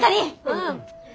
うん。